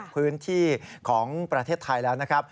พื้นที่ของประเทศไทยแล้วนะครับ